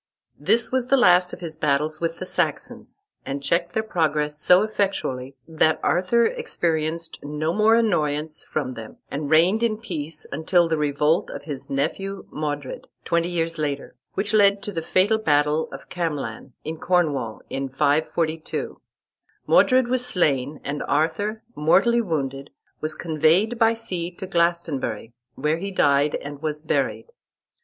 This was the last of his battles with the Saxons, and checked their progress so effectually, that Arthur experienced no more annoyance from them, and reigned in peace, until the revolt of his nephew Modred, twenty years later, which led to the fatal battle of Camlan, in Cornwall, in 542. Modred was slain, and Arthur, mortally wounded, was conveyed by sea to Glastonbury, where he died, and was buried.